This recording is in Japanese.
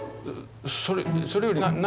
それより何？